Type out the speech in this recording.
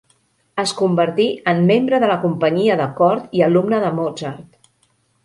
Es convertí en membre de la companyia de cort i alumne de Mozart.